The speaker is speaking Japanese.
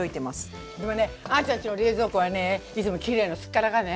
でもねあーちゃんちの冷蔵庫はねいつもきれいのすっからかんね。